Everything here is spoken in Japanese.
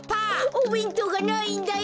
おべんとうがないんだよ。